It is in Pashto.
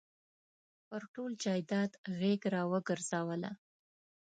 پر ټول جایداد غېږ را ورګرځوله.